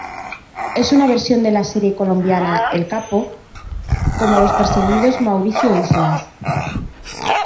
Es una versión de la serie colombiana, "El Capo".Como los perseguidos Mauricio Islas.